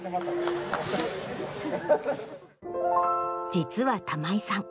実は玉井さん